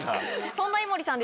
そんな井森さん